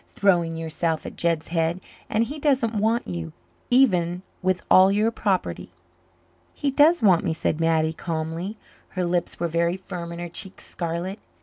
Throwing yourself at Jed's head and he doesn't want you, even with all your property." "He does want me," said Mattie calmly. Her lips were very firm and her cheeks scarlet.